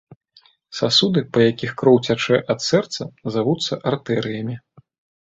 Сасуды, па якіх кроў цячэ ад сэрца, завуцца артэрыямі.